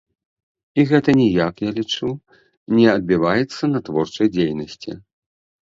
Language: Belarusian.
І гэта ніяк, я лічу, не адбіваецца на творчай дзейнасці.